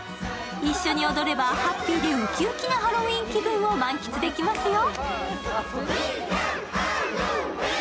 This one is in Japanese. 一緒に踊ればハッピーでウキウキなハロウィーン気分を満喫できますよ。